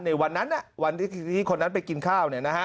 ในวันนั้นวันที่คนนั้นไปกินข้าว